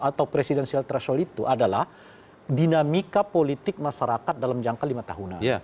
atau presidensial threshold itu adalah dinamika politik masyarakat dalam jangka lima tahunan